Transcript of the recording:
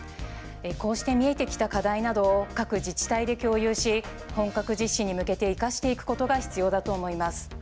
こうして見えてきた課題などを各自治体で共有し本格実施に向けて生かしていくことが必要だと思います。